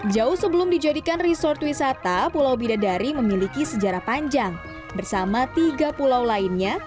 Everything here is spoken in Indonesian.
jauh sebelum dijadikan resort wisata pulau bidadari memiliki sejarah panjang bersama tiga pulau lainnya